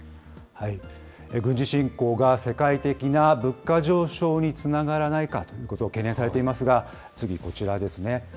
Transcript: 軍事侵攻が世界的な物価上昇につながらないかということ、懸念されていますが、次、こちらですね。